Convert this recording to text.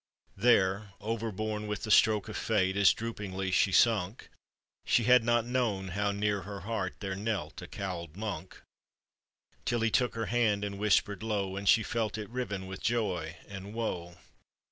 There, overborne with the stroke of fate, As droopingly she sunk, She had not known how near her heart There knelt a cowled monk, Till he took her hand and whispered low, And she felt it riven with joy and woe.